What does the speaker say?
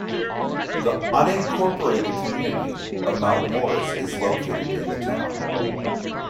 The unincorporated community of Mount Morris is located in the town.